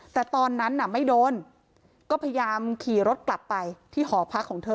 แต่ตอนนั้นน่ะไม่โดนก็พยายามขี่รถกลับไปที่หอพักของเธอ